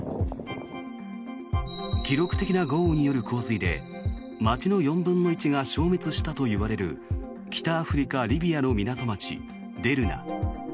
記録的な豪雨による洪水で街の４分の１が消滅したといわれる北アフリカ・リビアの港町デルナ。